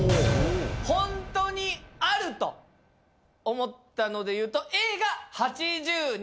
ほんとにあると思ったのでいうとＡが８０人。